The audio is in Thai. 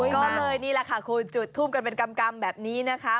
ก็เลยนี่ล่ะค่ะคุณจุดทุ่มกันเป็นกำแบบนี้นะคะ